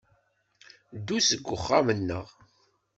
Ddu seg uxxam-nneɣ.